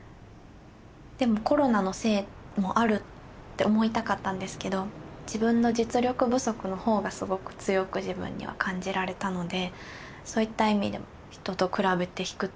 でもコロナのせいもあるって思いたかったんですけど自分の実力不足のほうがすごく強く自分には感じられたのでそういった意味でも人と比べて卑屈になる。